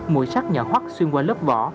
mùi sắc nhỏ hoắt xuyên qua lớp vỏ